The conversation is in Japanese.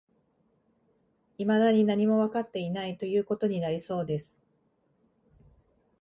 未だに何もわかっていない、という事になりそうです